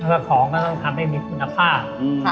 แล้วของก็ต้องทำให้มีคุณภาพ